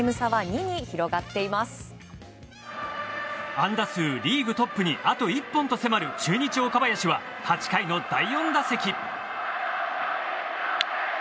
安打数リーグトップにあと１本と迫る中日、岡林は８回の第４打席。